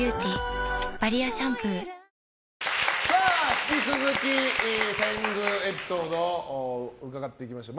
引き続き、天狗エピソードを伺っていきましょう。